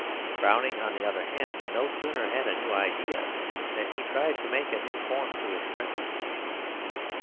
Browning, on the other hand, no sooner had a new idea than he tried to make a new form to express it.